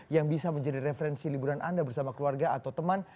yang bisa menjadi referensi liburan anda bersama keluarga atau teman